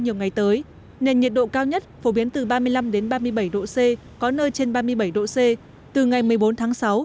nhiều ngày tới nền nhiệt độ cao nhất phổ biến từ ba mươi năm ba mươi bảy độ c có nơi trên ba mươi bảy độ c từ ngày một mươi bốn tháng sáu